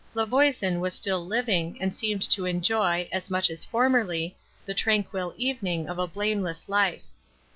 La Voisin was still living, and seemed to enjoy, as much as formerly, the tranquil evening of a blameless life.